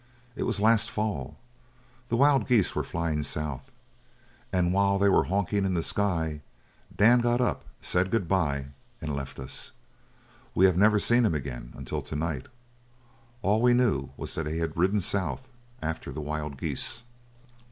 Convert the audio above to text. It was last Fall the wild geese were flying south and while they were honking in the sky Dan got up, said good bye, and left us. We have never seen him again until to night. All we knew was that he had ridden south after the wild geese."